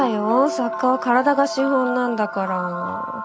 作家は体が資本なんだから。